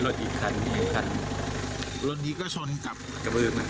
แล้วก็มีรถอีกคัน